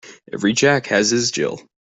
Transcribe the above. Every Jack has his Jill.